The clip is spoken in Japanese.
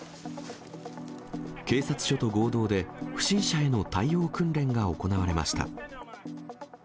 警察署と合同で、不審者への対応訓練が行われました。